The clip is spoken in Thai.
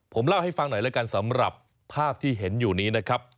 ผมเล่าให้ฟังหน่อยแล้วกันสำหรับภาพที่เห็นอยู่นี้นะครับ